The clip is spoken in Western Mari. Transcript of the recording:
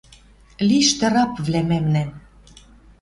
Лишты рабвлӓ мӓмнӓн